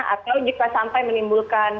atau jika sampai menimbulkan